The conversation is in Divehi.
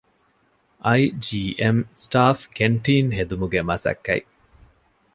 އައި.ޖީ.އެމް ސްޓާފް ކެންޓީން ހެދުމުގެ މަސައްކަތް